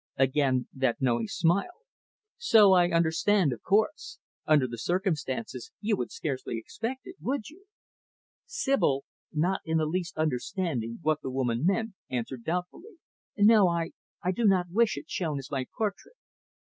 Again, that knowing smile. "So I understand, of course. Under the circumstances, you would scarcely expect it, would you?" Sibyl, not in the least understanding what the woman meant, answered doubtfully, "No. I I did not wish it shown as my portrait."